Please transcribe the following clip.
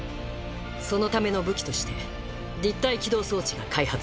そのための武器として立体機動装置が開発されました。